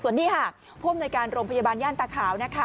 ส่วนนี่ว่าผศโรมพยาบาลย่านตะขาว